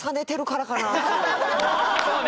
そうね。